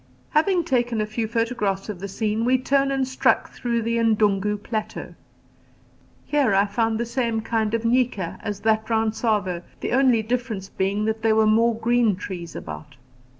Having taken a few photographs of the scene, we turned and struck through the N'dungu Plateau. Here I found the same kind of nyika as that round Tsavo, the only difference being that there were more green trees about.